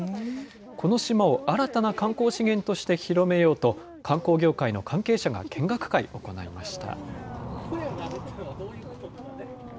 この島を新たな観光資源として広めようと、観光業界の関係者が見学会を行いました。